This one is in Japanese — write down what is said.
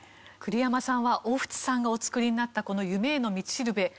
栗山さんは大渕さんがお作りになったこの「夢への道しるべ」